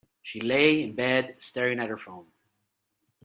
She lay in bed, staring at her phone.